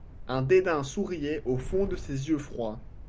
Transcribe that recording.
Un dédain souriait au fond de ses yeux froids.